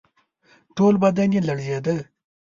ټول بدن یې لړزېده.